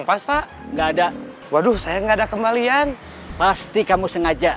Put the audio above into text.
sampai jumpa yang lain